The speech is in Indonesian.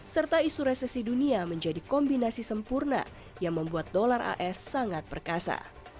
serta isu resesi dunia menjadi kombinasi sempurna yang membuat dolar as sangat perkasa